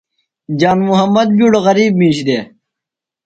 جان محمد بِیڈوۡ غریب مِیش دےۡ۔